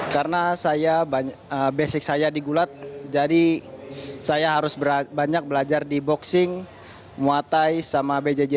karena basic saya di gulat jadi saya harus banyak belajar di boxing muay thai sama bjj